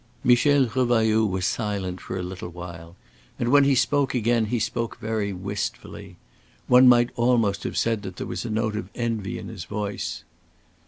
'" Michel Revailloud was silent for a little while, and when he spoke again, he spoke very wistfully. One might almost have said that there was a note of envy in his voice.